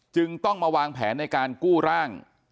จึงต้องมาวางแผนในการกู้ร่าง